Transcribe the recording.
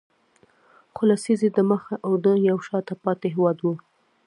څو لسیزې دمخه اردن یو شاته پاتې هېواد و.